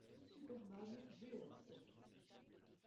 Superman vs.